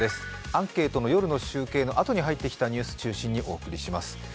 アンケートの夜の集計のあとに入ってきたニュース中心にお送りします。